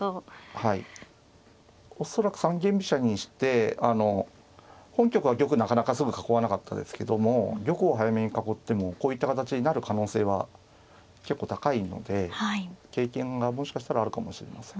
はい恐らく三間飛車にしてあの本局は玉なかなかすぐ囲わなかったですけども玉を早めに囲ってもこういった形になる可能性は結構高いので経験がもしかしたらあるかもしれません。